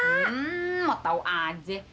hmm mau tau aja